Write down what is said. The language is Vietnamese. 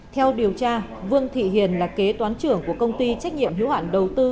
theo điều tra vương thị hiền là kế toán trưởng của công ty trách nhiệm hiếu hạn đầu tư